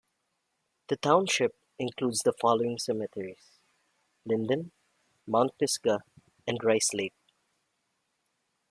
The township includes the following cemeteries: Linden, Mount Pisgah and Rice Lake.